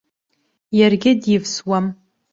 Иаргьы дивсуам.